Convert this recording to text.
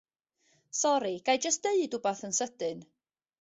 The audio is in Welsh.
Sori ga'i jyst deud 'wbath yn sydyn.